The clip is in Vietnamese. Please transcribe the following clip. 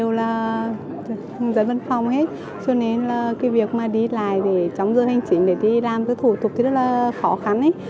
đều là dân văn phòng hết cho nên là cái việc mà đi lại để chống dơ hành chính để đi làm các thủ tục thì rất là khó khăn ấy